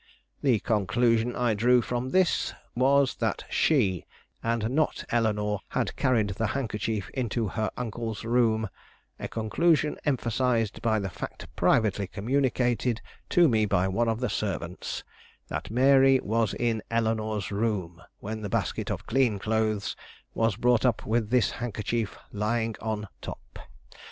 The conclusion I drew from this was, that she, and not Eleanore, had carried the handkerchief into her uncle's room, a conclusion emphasized by the fact privately communicated to me by one of the servants, that Mary was in Eleanore's room when the basket of clean clothes was brought up with this handkerchief lying on top.